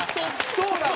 そうなの！